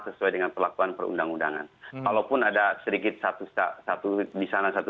sesuai dengan perlakuan perundang undangan walaupun ada sedikit satu satu di sana satu